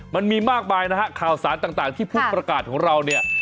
มันมีมากมายนะฮะข่าวสารต่างที่ผู้ประกาศของเราเนี่ย